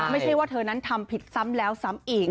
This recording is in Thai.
ไม่ใช่ว่าเธอนั้นทำผิดซ้ำแล้วซ้ำอีก